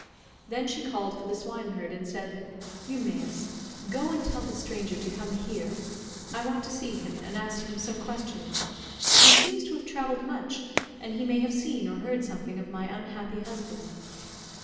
Then she called for the swineherd and said, "Eumaeus, go and tell the stranger to come here, I want to see him and ask him some questions. He seems to have travelled much, and he may have seen or heard something of my unhappy husband."